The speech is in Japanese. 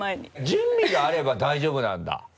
準備があれば大丈夫なんだ。